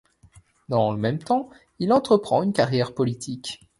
Dans le même temps, il entreprend une carrière politique.